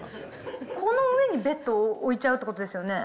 この上にベッドを置いちゃうといそうですね。